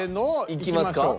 いきますか？